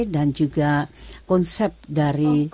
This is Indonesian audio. dan juga konsep dari